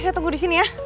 saya tunggu disini ya